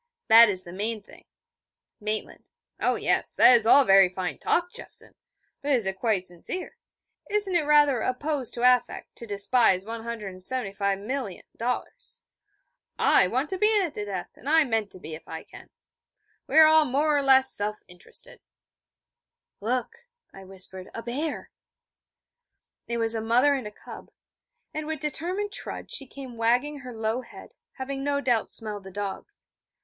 That is the main thing.' Maitland: 'Oh yes, that's all very fine talk, Jeffson! But is it quite sincere? Isn't it rather a pose to affect to despise $175,000,000? I want to be in at the death, and I mean to be, if I can. We are all more or less self interested.' 'Look,' I whispered 'a bear.' It was a mother and cub: and with determined trudge she came wagging her low head, having no doubt smelled the dogs.